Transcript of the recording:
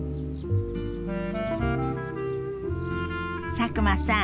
佐久間さん